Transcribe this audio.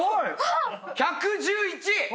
１１１？